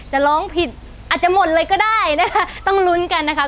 จะร้องผิดอาจจะหมดเลยก็ได้นะคะต้องลุ้นกันนะคะ